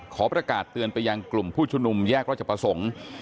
ขอประกาศเตือนไปยังกลุ่มผู้ชุมนุมแยกราชประสงค์